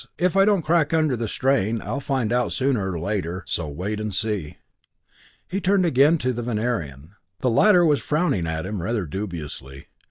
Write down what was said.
If I don't crack under the strain, I'll find out sooner or later so wait and see." He turned again to the Venerian. The latter was frowning at him rather dubiously.